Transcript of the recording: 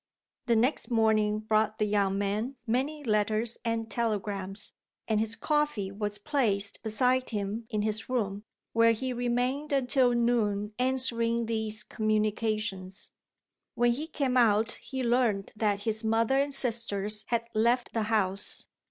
XIV The next morning brought the young man many letters and telegrams, and his coffee was placed beside him in his room, where he remained until noon answering these communications. When he came out he learned that his mother and sisters had left the house.